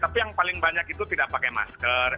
tapi yang paling banyak itu tidak pakai masker